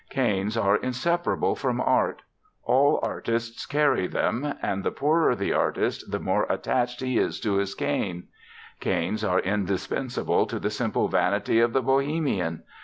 Canes are inseparable from art. All artists carry them; and the poorer the artist the more attached is he to his cane. Canes are indispensable to the simple vanity of the Bohemian.